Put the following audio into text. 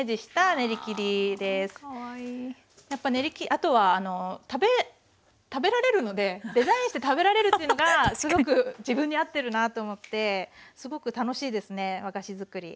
あとはあの食べられるのでデザインして食べられるというのがすごく自分に合ってるなと思ってすごく楽しいですね和菓子作り。